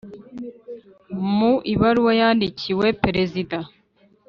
Mu ibaruwa yandikiwe Perezida